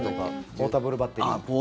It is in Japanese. ポータブルバッテリー。